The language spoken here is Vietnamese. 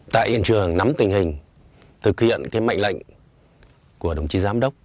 tại hiện trường nắm tình hình thực hiện mệnh lệnh của đồng chí giám đốc